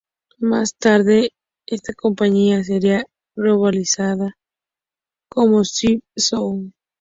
Más tarde, esta compañía sería rebautizada como Skywalker Sound.